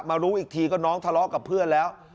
รู้อีกทีก็น้องทะเลาะกับเพื่อนแล้ว